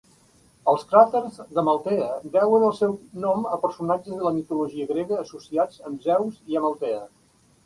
Els cràters d'Amaltea deuen el seu nom a personatges de la mitologia grega associats amb Zeus i Amaltea.